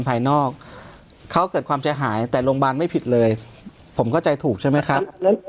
พาตธิศมือเหรอเขาโส่งให้หมดแล้วครับท่านครับ